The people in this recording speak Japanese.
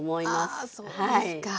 あそうですか。